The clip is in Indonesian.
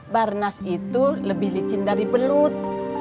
barnas itu lebih licin dari belut